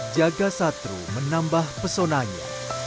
jaga satru menambah pesonanya